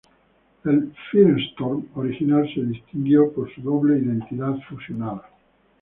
El Firestorm original se distinguió por su doble identidad fusionada.